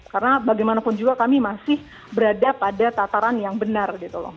karena bagaimanapun juga kami masih berada pada tataran yang benar